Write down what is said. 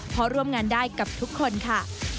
เพราะร่วมงานได้กับทุกคนค่ะ